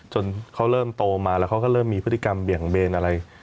จนเขาเริ่มโตมาแล้วเขาก็เริ่มมีพฤติกรรมเบี่ยงเบนอะไร